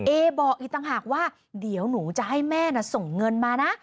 เอบอกอีกต่างหากว่าเดี๋ยวหนูจะให้แม่น่ะส่งเงินมานะ